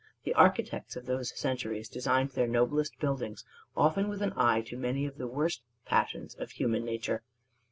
The architects of those centuries designed their noblest buildings often with an eye to many of the worst passions of human nature.